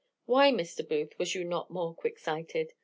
Why, Mr. Booth, was you not more quick sighted?